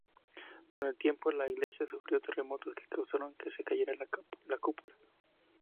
Con el tiempo la iglesia sufrió terremotos, que causaron que se cayera la cúpula.